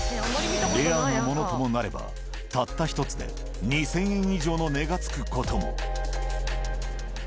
レアなものともなれば、たった一つで２０００円以上の値がつくことも。